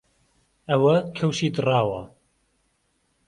ئەوە کەوشی دڕاوە